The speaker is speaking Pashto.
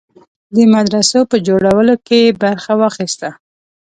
د مدرسو په جوړولو کې برخه واخیسته.